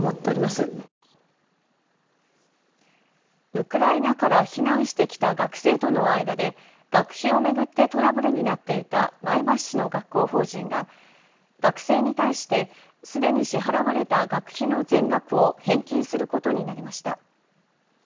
ウクライナから避難してきた学生との間で学費を巡ってトラブルになっていた前橋市の学校法人が学生に対してすでに支払われた学費の全額を返金することになりました。